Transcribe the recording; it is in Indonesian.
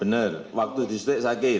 bener waktu disuntik sakit